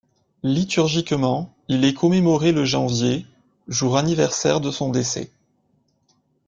Liturgiquement il est commémoré le janvier, jour anniversaire de son décès.